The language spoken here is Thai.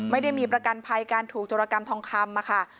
ไม่ได้มีประกันภัยการถูกจรกรรมทองคำมาค่ะ